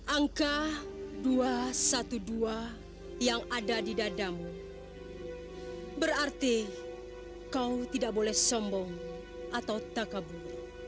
angka dua ratus dua belas yang ada di dadamu berarti kau tidak boleh sombong atau terkebun